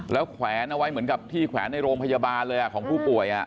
แล้วแขวนเอาไว้เหมือนกับที่แขวนในโรงพยาบาลเลยของผู้ป่วย